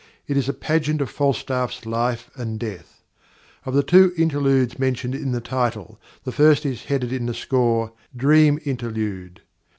It is a Pageant of Falstaff's life and death. Of the two interludes mentioned in the title, the first is headed in the score, "Dream Interlude."